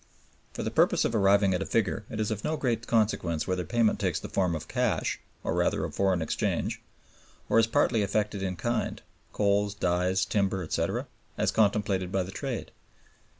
For the purpose of arriving at a figure it is of no great consequence whether payment takes the form of cash (or rather of foreign exchange) or is partly effected in kind (coal, dyes, timber, etc.), as contemplated by the Treaty.